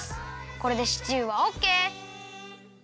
これでシチューはオッケー！